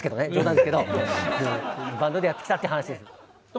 冗談ですけどバンドでやってきたって話です。